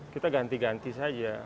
kita ganti ganti saja